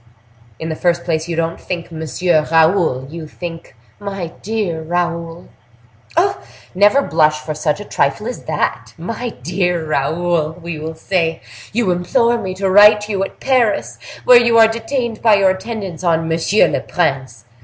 "In the first place, you don't think, Monsieur Raoul; you think, My dear Raoul." "Oh!—" "Never blush for such a trifle as that! 'My dear Raoul,' we will say—'You implore me to write you at Paris, where you are detained by your attendance on M. le Prince.